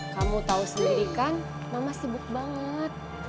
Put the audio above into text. kamu tahu sendiri kan mama sibuk banget